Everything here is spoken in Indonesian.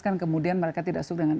kan kemudian mereka tidak suka dengan